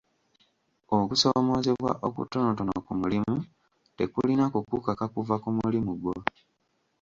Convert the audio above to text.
Okusoomoozebwa okutonotono ku mulimu tekulina kukukaka kuva ku mulimu gwo.